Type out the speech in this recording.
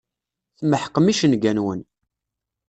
Tmeḥqem icenga-nwen.